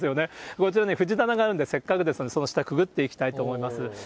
こちら、藤棚があるんで、せっかくですので、その下くぐっていきたいと思います。